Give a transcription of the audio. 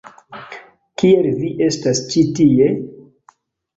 Kiel vi estas ĉi tie?